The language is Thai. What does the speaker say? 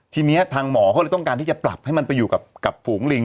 ทีนี้ทางหมอเขาเลยต้องการที่จะปรับให้มันไปอยู่กับฝูงลิง